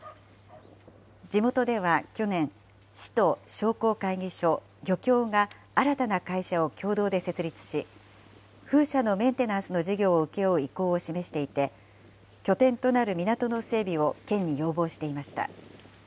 地元では去年、市と商工会議所、漁協が新たな会社を共同で設立し、風車のメンテナンスの事業を請け負う意向を示していて、拠点となる港の整備を県に要望していました。